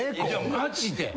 マジで。